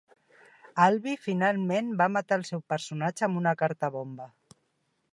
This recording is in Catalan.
Albie finalment va matar el seu personatge amb una carta bomba.